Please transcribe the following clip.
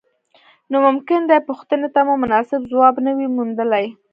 نو ممکن دې پوښتنې ته مو مناسب ځواب نه وي موندلی.